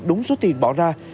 đúng số tiền bỏ ra